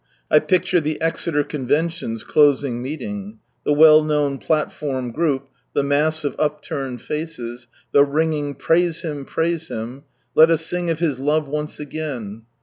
I picture the Exeter Convention's closing meeting. The well known platform group, the mass of upturned faces, the ringing " Praise Him ! praise Hira !"" Let us sing of His love once again."